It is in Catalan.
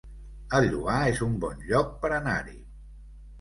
El Lloar es un bon lloc per anar-hi